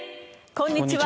こんにちは。